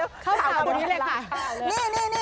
เร็วเข้าข่าวตรงนี้เลยค่ะ